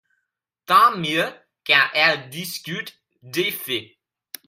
Tant mieux, car elles discutent des faits.